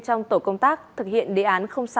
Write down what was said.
trong tổ công tác thực hiện đề án sáu